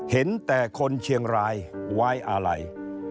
เห็นแต่คนเชียงรายไว้อะไร